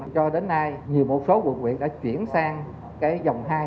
cho đến nay nhiều một số quận quyện đã chuyển sang cái dòng hai